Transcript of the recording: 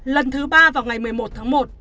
lần thứ ba vào ngày một mươi một tháng một